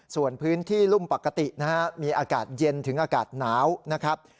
ส่วนพื้นที่รุ่มปกตินะฮะมีอากาศเย็นถึงอากาศหนาวนะครับ